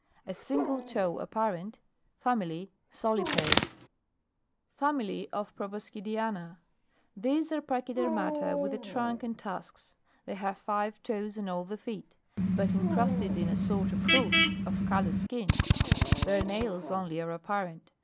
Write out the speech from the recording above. (_ A single toe apparent. SOLIPEDES. FAMILY OF PROBOSCI DIANA. 17. These are I } ac/n/dertnafa with a trunk and tusks. They have five toes on all the feet, but incrusted in a sort of hoof of callous skin ; their nails only are apparent.